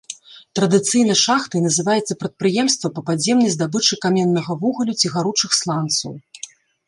Традыцыйна шахтай называецца прадпрыемства па падземнай здабычы каменнага вугалю ці гаручых сланцаў.